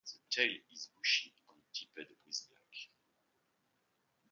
The tail is bushy and tipped with black.